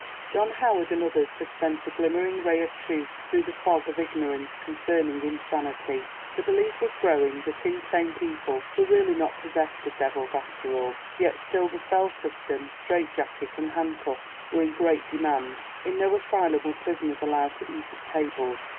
John Howard and others had sent a glimmering ray of truth through the fog of ignorance concerning insanity. The belief was growing that insane people were really not possessed of devils after all. Yet still, the cell system, strait jacket and handcuffs were in great demand. In no asylum were prisoners allowed to eat at tables.